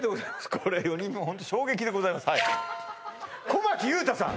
これ４人目ホント衝撃でございます小牧勇太さん